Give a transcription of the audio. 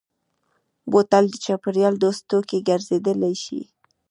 بوتل د چاپېریال دوست توکی ګرځېدای شي.